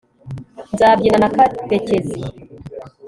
nzabyina na karekezi